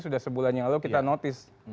sudah sebulan yang lalu kita notice